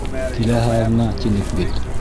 — Киләһе аҙна, тинек бит.